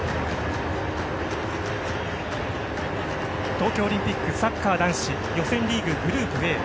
東京オリンピックサッカー男子予選リーググループＡ。